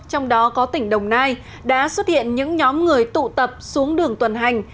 trong đó có tỉnh đồng nai đã xuất hiện những nhóm người tụ tập xuống đường tuần hành